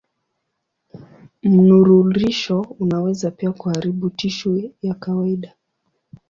Mnururisho unaweza pia kuharibu tishu ya kawaida.